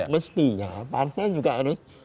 mestinya partai juga harus